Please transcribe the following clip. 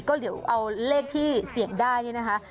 ก็เดี๋ยวเอาเลขที่เสี่ยงได้นี่นะคะ